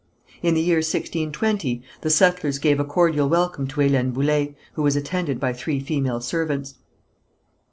In the year 1620, the settlers gave a cordial welcome to Hélène Boullé, who was attended by three female servants.